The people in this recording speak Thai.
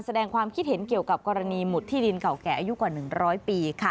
แสดงความคิดเห็นเกี่ยวกับกรณีหมุดที่ดินเก่าแก่อายุกว่า๑๐๐ปีค่ะ